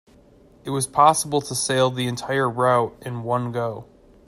It was possible to sail the entire route in one go.